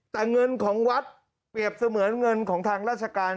แต่เงินของวัดเปรียบเสมือนเงินของทางราชการ